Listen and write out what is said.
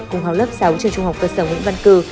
cùng học lớp sáu trên trung học cơ sở nguyễn văn cư